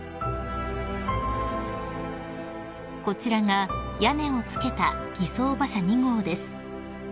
［こちらが屋根を付けた儀装馬車２号です］